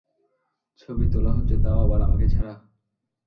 ছবি তোলা হচ্ছে তাও আবার আমাকে ছাড়া?